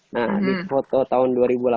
nah di foto tahun dua ribu delapan belas